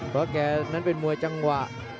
เพราะแกนั้นเป็นมวยจังหวะ